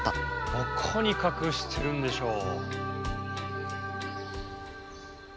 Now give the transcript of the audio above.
どこにかくしてるんでしょう？